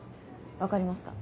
分かりますか？